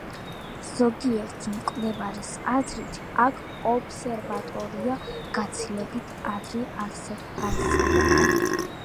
ზოგიერთი მკვლევარის აზრით, აქ ობსერვატორია გაცილებით ადრე არსებობდა.